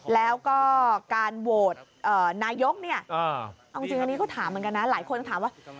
แล้วก็การโหวตนายกเนี่ยเอาจริงอันนี้ก็ถามเหมือนกันนะหลายคนถามว่า